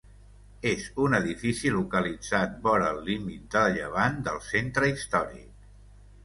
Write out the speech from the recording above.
És un edifici localitzat vora el límit de llevant del centre històric.